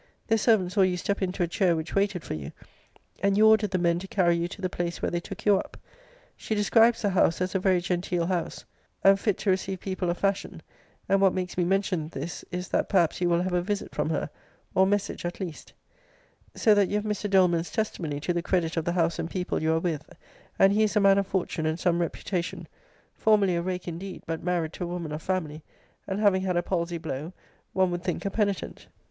This servant saw you step into a chair which waited for you; and you ordered the men to carry you to the place where they took you up. She [describes the house] as a very genteel house, and fit to receive people of fashion: [and what makes me mention this, is, that perhaps you will have a visit from her; or message, at least.] * See Letter XX. of this volume. [So that you have Mr. Doleman's testimony to the credit of the house and people you are with; and he is] a man of fortune, and some reputation; formerly a rake indeed; but married to a woman of family; and having had a palsy blow, one would think a penitent.